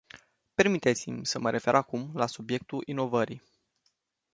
Permiteți-mi să mă refer acum la subiectul inovării.